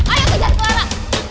ayo sejarah clara